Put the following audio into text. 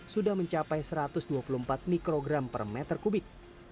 sudah mencapai satu ratus dua puluh empat mikrogram per meter kubik